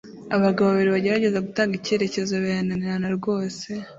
Abagabo babiri bagerageza gutanga icyerekezo birananirana rwose